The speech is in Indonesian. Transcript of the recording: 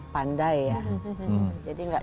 pandai jadi gak